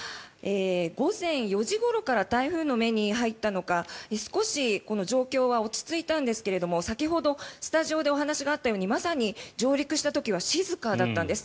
午前４時ごろから台風の目に入ったのか少しこの状況は落ち着いたんですが先ほどスタジオでお話があったようにまさに上陸した時は静かだったんです。